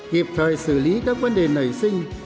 hiệp thời xử lý các vấn đề nảy sinh